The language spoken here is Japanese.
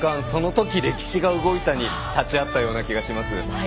その時、歴史が動いたに立ち会ったような気がします。